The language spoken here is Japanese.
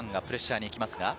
堂安がプレッシャーにいきますが。